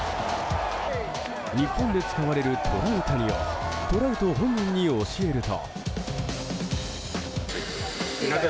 日本で使われるトラウタニをトラウト本人に教えると。